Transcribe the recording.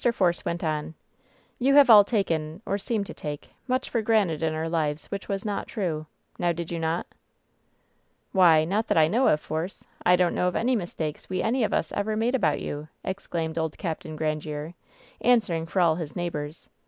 Force went on : "You have all taken — or seemed to take — ^much for granted in our lives which was not true. Now did you not «" "Why — ^not that I know of, Force. I don't know of any mistakes we any of us ever made about you," ex claimed old Capt. Grandiere, answering for all his neigh bors.